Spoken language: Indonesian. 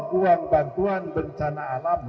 kuang bantuan bencana alam